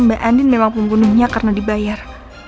mbak endin memang pembunuhnya karena dibayar